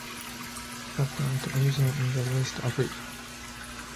The plant originated in West Africa.